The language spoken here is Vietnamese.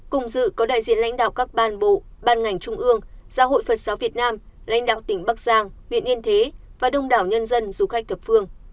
cùng dự có đại diện lãnh đạo các ban bộ ban ngành trung ương giáo hội phật giáo việt nam lãnh đạo tỉnh bắc giang huyện yên thế và đông đảo nhân dân du khách thập phương